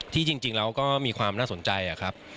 ที่จริงแล้วก็มีความน่าสนใจครับ